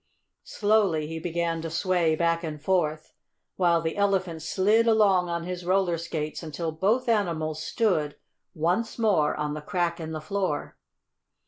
Slowly he began to sway back and forth, while the Elephant slid along on his roller skates until both animals stood, once more, on the crack in the floor.